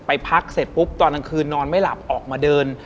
พักเสร็จปุ๊บตอนกลางคืนนอนไม่หลับออกมาเดิน